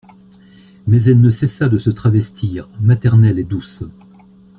Mais elle ne cessa de se travestir, maternelle et douce.